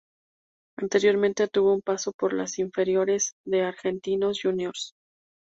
Anteriormente tuvo un paso por las inferiores de Argentinos Juniors.